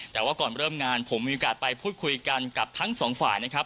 แต่ว่าก่อนเริ่มงานผมมีโอกาสไปพูดคุยกันกับทั้งสองฝ่ายนะครับ